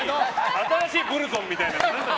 新しいブルゾンみたいな。